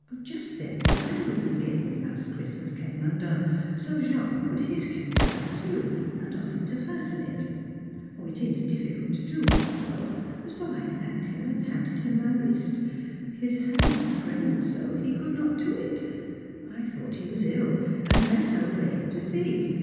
Just then the bangle you gave me last Christmas came undone, so Jean put his cue down too, and offered to fasten it. It is difficult to do oneself, so I thanked him and handed him my wrist; his hands trembled so he could not do it. I thought he was ill, and bent over him to see.